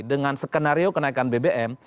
dengan skenario kenaikan bbm